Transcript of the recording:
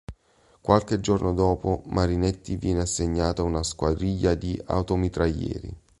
Qualche giorno dopo Marinetti viene assegnato a una squadriglia di "Auto-mitraglieri".